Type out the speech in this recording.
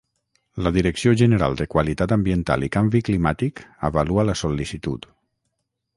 La Direcció General de Qualitat Ambiental i Canvi Climàtic avalua la sol·licitud.